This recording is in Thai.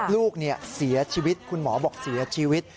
ลูกเสียชีวิตคุณหมอบอกเสียชีวิต